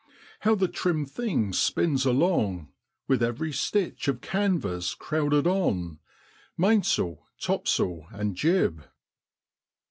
How the trim thing spins along, with every stitch of canvas crowded on mainsail, topsail, and jib